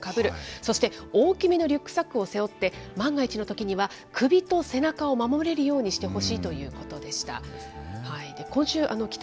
そして、大きめのリュックサックを背負って、万が一のときには、首と背中を守れるようにしてほしいということでした。